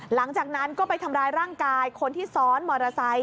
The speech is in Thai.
หลังจากนั้นก็ไปทำร้ายร่างกายคนที่ซ้อนมอเตอร์ไซค